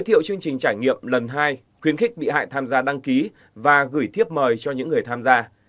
trải nghiệm lần hai khuyến khích bị hại tham gia đăng ký và gửi thiếp mời cho những người tham gia